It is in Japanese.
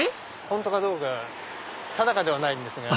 本当かどうか定かではないですが。